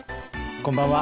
こんばんは。